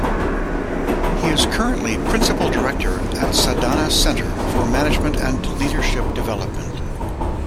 He is currently Principal Director at Sadhana Center for Management and Leadership Development.